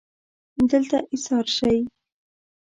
دلته ایسار شئ